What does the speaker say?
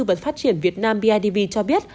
và phát triển việt nam bidv cho biết